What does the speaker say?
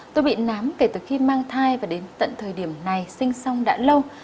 tôi bị nám kể từ khi mang thai và đến tận thời điểm này sinh xong đã lâu